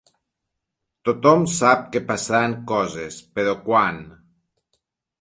Tothom sap que passaran coses, però quan?